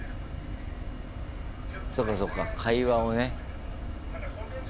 そうかそうか会話をね。